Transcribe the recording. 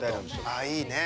あっいいね。